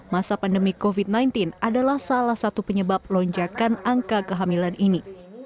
masa pandemi covid sembilan belas adalah salah satu penyebab lonjakan angka kehamilan ini